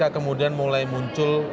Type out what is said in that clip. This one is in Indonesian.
kemudian mulai muncul